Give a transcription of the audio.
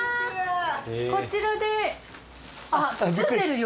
こちらであっ包んでるよ！